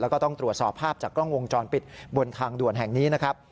แล้วก็ต้องตรวจสอบภาพจากกล้องวงจรปิดบนทางด่วนแห่งนี้นะครับ